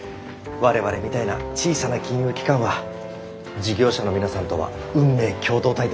我々みたいな小さな金融機関は事業者の皆さんとは運命共同体ですから。